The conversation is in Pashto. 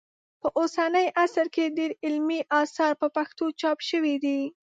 په اوسني عصر کې ډېر علمي اثار په پښتو چاپ سوي دي